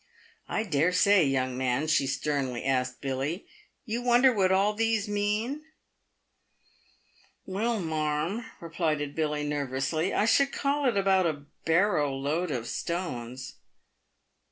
" I dare say, young man," she sternly asked Billy, "you wonder what all these mean ?"" "Well, marm," replied Billy, nervously, " I should call it about a barrow load of stones."